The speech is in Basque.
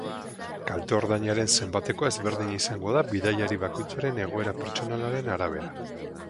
Kalte-ordainaren zenbatekoa ezberdina izango da bidaiari bakoitzaren egoera pertsonalaren arabera.